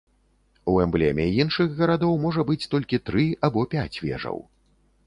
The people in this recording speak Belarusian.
У эмблеме іншых гарадоў можа быць толькі тры або пяць вежаў.